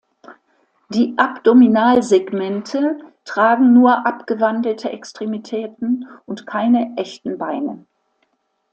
Die Abdominalsegmente tragen nur abgewandelte Extremitäten und keine echten Beine.